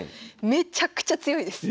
めちゃくちゃ強いです。